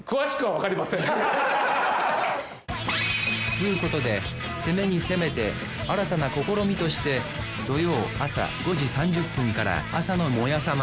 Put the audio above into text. つうことで攻めに攻めて新たな試みとして土曜あさ５時３０分から朝の「モヤさま」